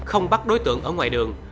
không bắt đối tượng ở ngoài đường